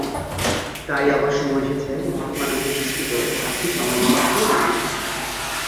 তাই আবার সময় এসেছে মহাত্মা গান্ধীর দৃষ্টিতে সাতটি সামাজিক পাপকে জানার।